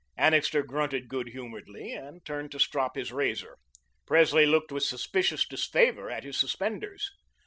Annixter grunted good humouredly, and turned to strop his razor. Presley looked with suspicious disfavour at his suspenders.